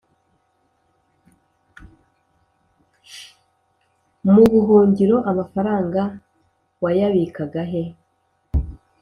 M’ubuhungiro amafaranga wayabikaga he